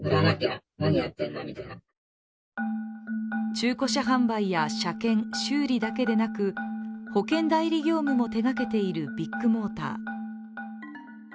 中古車販売や車検・修理だけでなく保険代理業務も手がけているビッグモーター。